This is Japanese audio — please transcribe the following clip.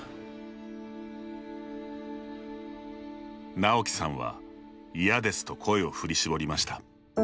なおきさんは「嫌です」と声を振り絞りました。